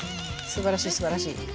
すばらしいすばらしい。